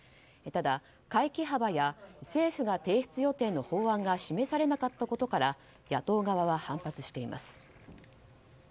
ただ、会期幅や政府が提出予定の法案が示されなかったことから野党側は反発しています。